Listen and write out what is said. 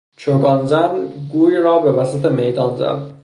چوگان زن گوی را به وسط میدان زد.